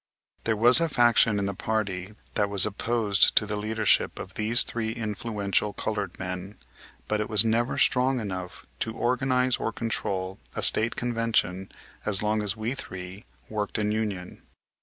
There was a faction in the party that was opposed to the leadership of these three influential colored men, but it was never strong enough to organize or control a State Convention as long as we three worked in union.